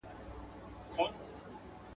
مخ که مي کعبې، که بتخاتې ته اړولی دی